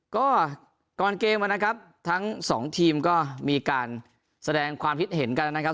ก็ก่อนเกมนะครับทั้งสองทีมก็มีการแสดงความคิดเห็นกันนะครับ